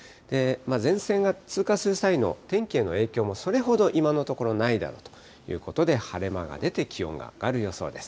前線が通過する際の天気への影響も、それほど今のところないだろうということで、晴れ間が出て気温が上がる予想です。